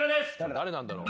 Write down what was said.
誰なんだろう？